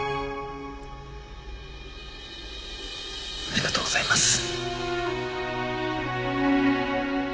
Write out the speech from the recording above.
ありがとうございます。